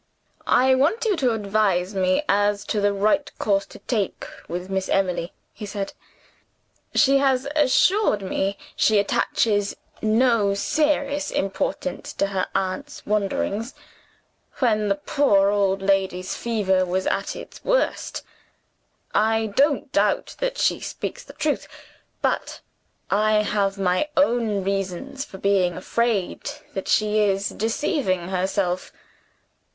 "I want you to advise me as to the right course to take with Miss Emily," he said. "She has assured me she attaches no serious importance to her aunt's wanderings, when the poor old lady's fever was at its worst. I don't doubt that she speaks the truth but I have my own reasons for being afraid that she is deceiving herself.